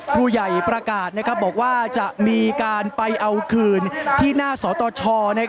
ผู้ใหญ่ประกาศบอกว่าจะมีการไปเอาคืนที่หน้าสตช